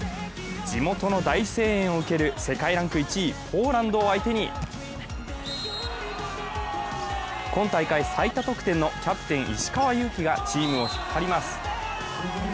地元の大声援を受ける世界ランク１位、ポーランドを相手に今大会最多得点のキャプテン・石川祐希がチームを引っ張ります。